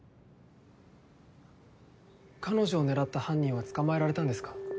彼女を狙った犯人は捕まえられたんですか？